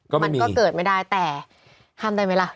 ก็ไม่มีมันก็เกิดไม่ได้แต่ทำได้ไหมล่ะ